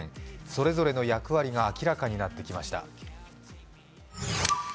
それぞれの役割が明らかになってきました。